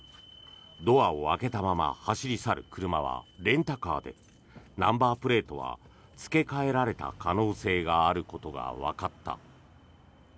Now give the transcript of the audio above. ドアを開けたまま走り去る車はレンタカーでナンバープレートは付け替えられた可能性があることがわかった。